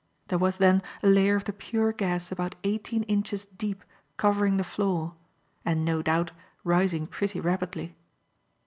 There was, then, a layer of the pure gas about eighteen inches deep covering the floor, and, no doubt, rising pretty rapidly.